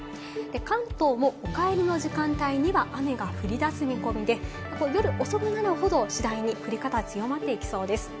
関東もお帰りの時間帯には雨が降りだす見込みで、夜遅くなるほど次第に降り方が強まっていきそうです。